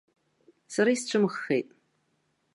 Сара исцәымыӷхеит.